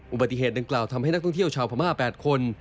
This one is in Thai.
อุบัติเหตุดังกล่าวทำให้นักท่องเที่ยวชาวพม่า๘คน